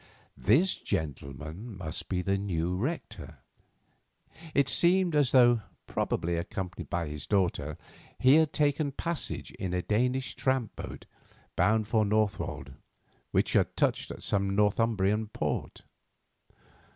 This gentleman must be the new rector. It seemed as though, probably accompanied by his daughter, he had taken passage in a Danish tramp boat bound for Northwold, which had touched at some Northumbrian port.